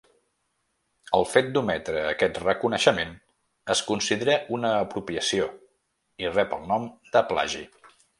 El fet d'ometre aquest reconeixement es considera una apropiació i rep el nom de plagi.